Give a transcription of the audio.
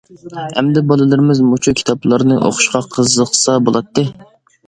ئەمدى بالىلىرىمىز مۇشۇ كىتابلارنى ئوقۇشقا قىزىقسا بولاتتى.